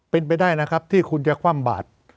เป็นไปได้นะครับที่คุณจะคว่ำบาด